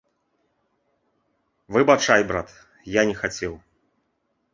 Выбачай, брат, я не хацеў.